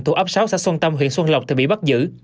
tổ ấp sáu xã xuân tâm huyện xuân lộc bị bắt giữ